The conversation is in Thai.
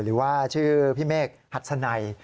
หรือว่าชื่อพี่เมฆหัสนัย